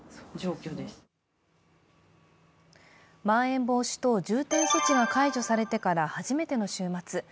まん延防止等重点措置が解除されてから初めての週末。